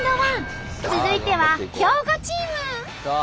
続いては兵庫チーム！